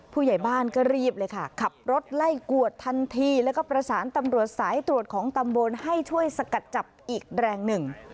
ผู้ใหญ่บ้านก็รีบเลยค่ะขับรถไล่กวดทันทีแล้วก็ประสานตำรวจสายตรวจของตำบลให้ช่วยสกัดจับอีกแรงหนึ่ง